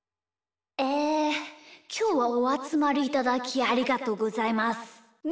えきょうはおあつまりいただきありがとうございます。